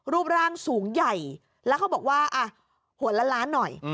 รูปร่างสูงใหญ่แล้วเขาบอกว่าหัวละล้านหน่อย